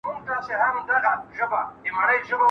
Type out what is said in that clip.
¬ د زور ياري، د خره سپارکي ده.